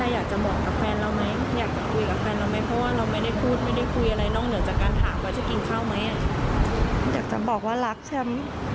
อยากจะบอกว่ารักชั้น